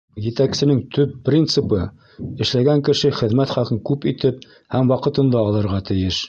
Етәксенең төп принцибы — эшләгән кеше хеҙмәт хаҡын күп итеп һәм ваҡытында алырға тейеш.